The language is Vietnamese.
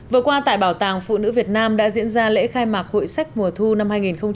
vừa qua tại bảo tàng phụ nữ việt nam đã diễn ra lễ khai mạc hội sách mùa thu năm hai nghìn một mươi chín